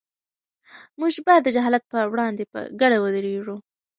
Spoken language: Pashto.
موږ باید د جهالت پر وړاندې په ګډه ودرېږو.